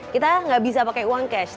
kita nggak bisa pakai uang cash